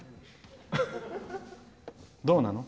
どうなの？